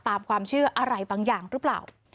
ตามความเชื่ออะไรบางอย่างหรือเปล่า